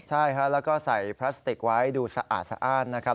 ใช่ค่ะแล้วก็ใส่พลาสติกไว้ดูสะอาดนะครับ